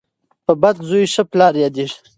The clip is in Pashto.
په بد زوی ښه پلار یادیږي.